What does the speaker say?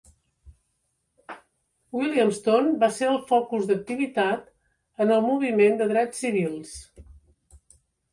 Williamston va ser el focus d'activitat en el moviment de drets civils.